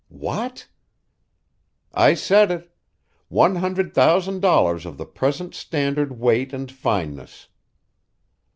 "What!" "I said it. One hundred thousand dollars of the present standard weight and fineness."